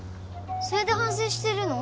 それで反省してるの？